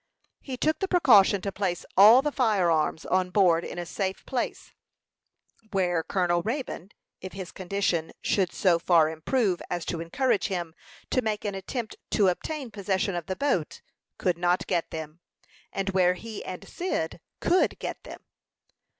He took the precaution to place all the fire arms on board in a safe place, where Colonel Raybone, if his condition should so far improve as to encourage him to make an attempt to obtain possession of the boat, could not get them, and where he and Cyd could get them.